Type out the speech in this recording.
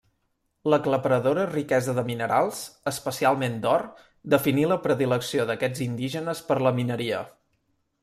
L'aclaparadora riquesa de minerals, especialment d'or, definí la predilecció d'aquests indígenes per la mineria.